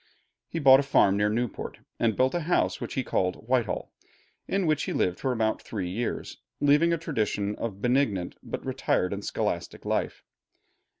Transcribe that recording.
He bought a farm near Newport, and built a house which he called Whitehall, in which he lived for about three years, leaving a tradition of a benignant but retired and scholastic life.